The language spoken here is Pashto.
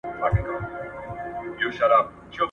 زه پرون د کتابتوننۍ سره مرسته وکړه؟